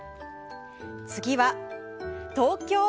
次は東京。